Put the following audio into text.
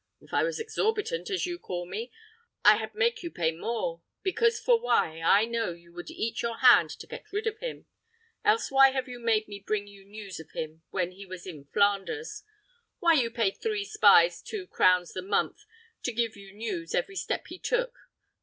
If I was exorbitant, as you call me, I had make you pay more, because for why, I know you would eat your hand to get rid of him; else why have you make me bring you news of him when he was in Flanders? Why you pay three spies two crowns the month to give you news every step he took?